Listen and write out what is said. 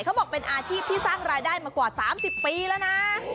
เขาบอกเป็นอาชีพที่สร้างรายได้มากว่า๓๐ปีแล้วนะ